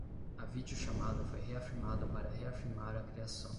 A videochamada foi reafirmada para reafirmar a criação